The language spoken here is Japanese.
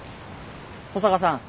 保坂さん